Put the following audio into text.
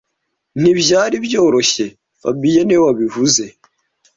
ntibyari byoroshye fabien niwe wabivuze